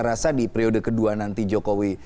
rasa di periode kedua nanti jokowi